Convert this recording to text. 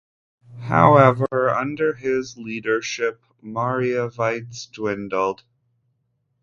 However, under his leadership Mariavites dwindled.